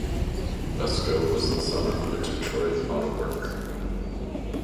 Vesco was the son of a Detroit autoworker.